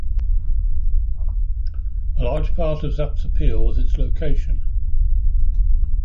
A large part of The Zap's appeal was its location.